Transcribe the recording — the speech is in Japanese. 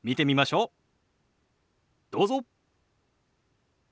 どうぞ。